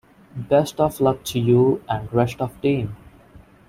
Best of luck to you and rest of team.